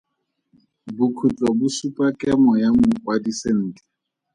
Bokhutlo bo supa kemo ya mokwadi sentle.